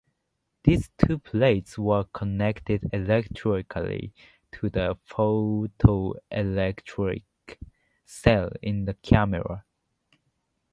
These two plates were connected electrically to the photoelectric cell in the camera.